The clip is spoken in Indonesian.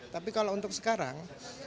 tapi kalau untuk sekarang